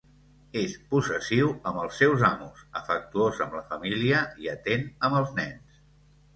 És possessiu amb els seus amos, afectuós amb la família i atent amb els nens.